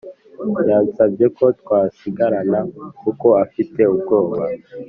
yansabye ko twasigarana kuko afite ubwoba